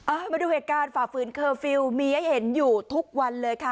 มาดูเหตุการณ์ฝ่าฝืนเคอร์ฟิลล์มีให้เห็นอยู่ทุกวันเลยค่ะ